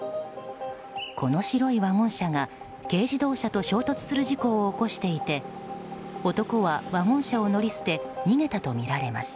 この白いワゴン車が軽自動車と衝突する事故を起こしていて男はワゴン車を乗り捨て逃げたとみられます。